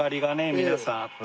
皆さんあって。